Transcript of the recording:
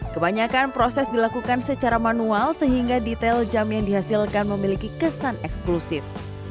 kebanyakan proses dilakukan secara manual sehingga detail jam yang dihasilkan memiliki kesan eksklusif